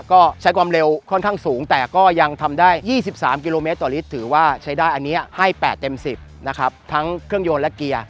ก็ใช้ความเร็วค่อนข้างสูงแต่ก็ยังทำได้๒๓กิโลเมตรต่อลิตรถือว่าใช้ได้อันนี้ให้๘เต็ม๑๐นะครับทั้งเครื่องยนต์และเกียร์